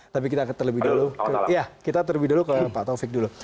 tapi kita terlebih dulu ke pak taufik dulu